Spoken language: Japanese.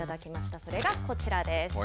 それがこちらです。